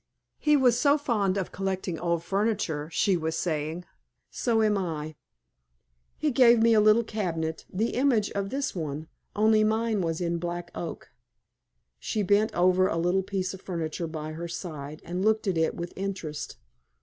"He was so fond of collecting old furniture," she was saying. "So am I. He gave me a little cabinet, the image of this one, only mine was in black oak." She bent over a little piece of furniture by her side, and looked at it with interest.